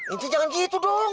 ente jangan gitu dong